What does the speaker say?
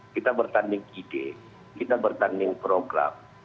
kita bertanding ide kita bertanding program